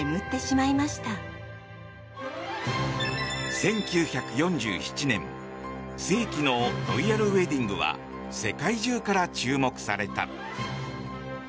１９４７年世紀のロイヤルウェディングは世界中から注目された。